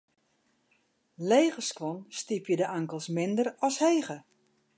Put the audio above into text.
Lege skuon stypje de ankels minder as hege.